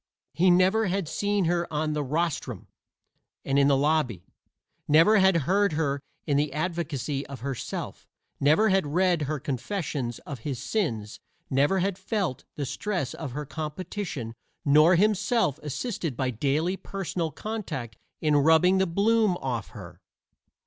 He never had seen her on the "rostrum" and in the lobby, never had heard her in advocacy of herself, never had read her confessions of his sins, never had felt the stress of her competition, nor himself assisted by daily personal contact in rubbing the bloom off her.